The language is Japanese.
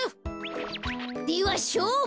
ではしょうぶ。